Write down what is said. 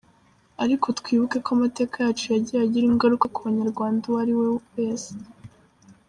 Ariko twibuke ko amateka yacu yagiye agira ingaruka ku munyarwanda uwo ariwe wese.